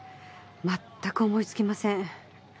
まったく思いつきません。